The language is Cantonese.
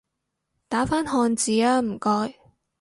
打返漢字吖唔該